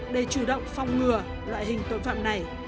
để chủ động phòng ngừa loại hình tội phạm này